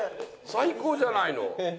最高じゃないの。